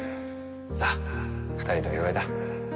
さあ２人でお祝いだ。